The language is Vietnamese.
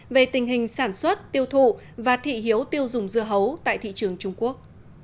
về tình hình sản xuất tiêu thụ và thị hiếu tiêu dùng dưa hấu tại thị trường trung quốc